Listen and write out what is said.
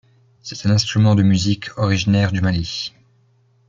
C'est un instrument de musique originaire du Mali.